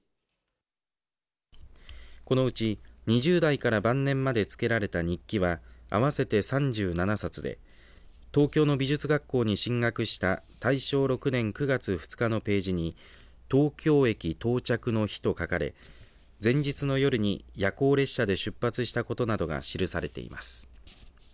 このうち２０代から晩年までつけられた日記は合わせて３７冊で東京の美術学校に進学した大正６年９月２日のページに東京駅到着の日と書かれ前日の夜に夜行列車で出発したことなどが記されています。